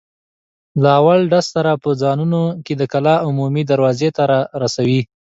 له اول ډز سره به ځانونه د کلا عمومي دروازې ته را رسوئ.